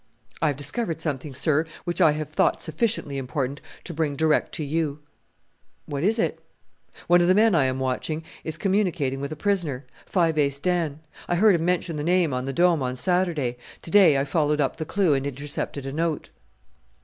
"I have discovered something, sir, which I have thought sufficiently important to bring direct to you." "What is it?" "One of the men I am watching is communicating with a prisoner Five Ace Dan. I heard him mention the name on the Dome, on Saturday. To day I followed up the clue and intercepted a note."